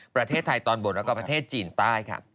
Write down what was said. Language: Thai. ประเทศไทยตอนบ่นและประเทศจีนใต้